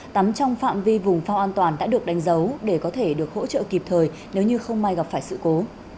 tắm trong phạm vi vùng phao an toàn đã được đánh dấu để có thể được hỗ trợ kịp thời nếu như không may gặp phải sự cố